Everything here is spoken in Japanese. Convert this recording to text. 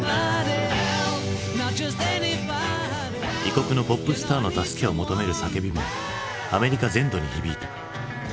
異国のポップスターの助けを求める叫びもアメリカ全土に響いた。